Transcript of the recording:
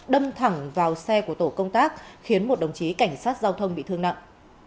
đâm thẳng vào xe của tổ công tác khiến một đồng chí cảnh sát giao thông bị thương nặng